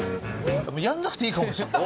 やらなくていいかもしれない。